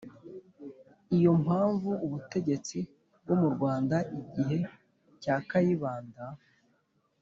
Iyo mpamvu ubutegetsi bwo mu rwanda igihe cya kayibanda